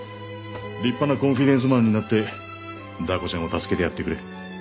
立派なコンフィデンスマンになってダー子ちゃんを助けてやってくれ。